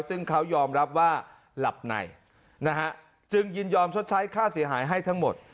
ซึ่งเขายอมรับว่าหลับในนะฮะจึงยินยอมชดใช้ค่าเสียหายให้ทั้งหมด